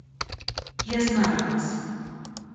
Я знаю вас.